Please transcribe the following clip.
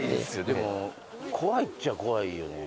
でも怖いっちゃ怖いよね